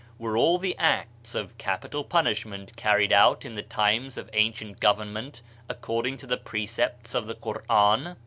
Were all the acts of capital punishment carried out in the times of ancient government, according to the precepts of the Quran?